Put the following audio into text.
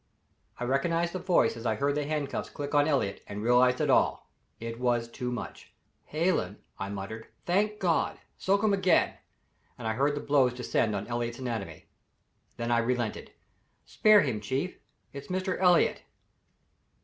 I recognized the voice as I heard the handcuffs click on Elliott, and realized it all. It was too much. "Hallen!" I murmured. "Thank God! Soak him again," and I heard the blows descend on Elliott's anatomy. Then I relented. "Spare him, Chief it's Mr. Elliott."